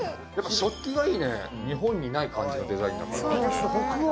食器がいいね、日本にない感じのデザインだから。